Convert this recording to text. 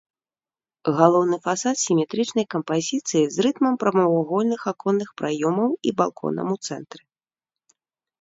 Галоўны фасад сіметрычнай кампазіцыі з рытмам прамавугольных аконных праёмаў і балконам у цэнтры.